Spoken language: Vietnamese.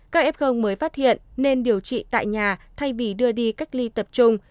các f mới phát hiện nên điều trị tại nhà thay vì đưa đi cách ly tập trung